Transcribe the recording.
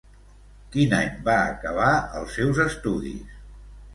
Quin any va acabar els seus estudis?